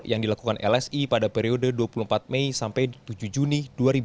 yang dilakukan lsi pada periode dua puluh empat mei sampai tujuh juni dua ribu dua puluh